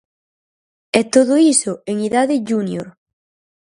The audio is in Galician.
E todo iso en idade júnior.